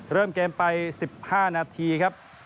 เริ่มเกมไป๑๕นาทีครับ